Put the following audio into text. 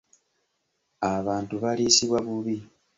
Abantu baliisibwa bubi.